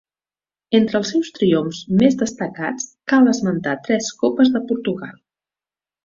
Entre els seus triomfs més destacats cal esmentar tres copes de Portugal.